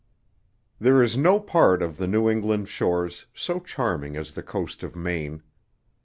There is no part of the New England shores so charming as the coast of Maine.